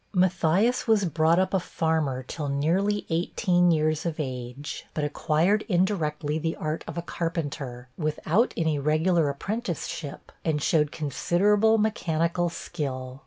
Matthias was brought up a farmer till nearly eighteen years of age, but acquired indirectly the art of a carpenter, without any regular apprenticeship, and showed considerable mechanical skill.